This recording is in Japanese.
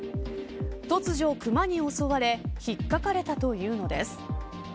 突如、熊に襲われひっかかれたというのです。